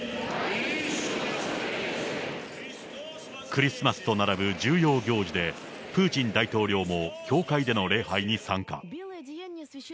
クリスマスと並ぶ重要行事で、プーチン大統領も教会での礼拝に参加。